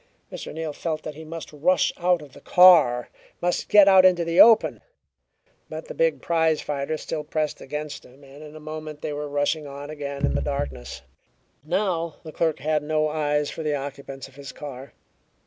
Mr. Neal felt that he must rush out of the car, must get out into the open. But the big prize fighter still pressed against him, and in a moment they were rushing on again into the darkness. Now the clerk had no eyes for the occupants of his car.